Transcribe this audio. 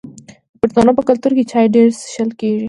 د پښتنو په کلتور کې چای ډیر څښل کیږي.